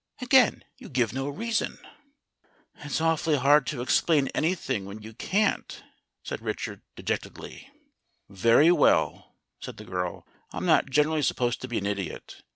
Again you give no reason." CLUBS AND HEARTS 79 "It's awfully hard to explain anything when you can't," said Richard dejectedly. "Very well," said the girl. "I'm not generally sup posed to be an idiot.